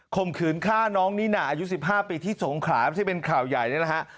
มขืนฆ่าน้องนิน่าอายุ๑๕ปีที่สงขลาที่เป็นข่าวใหญ่นี่นะฮะ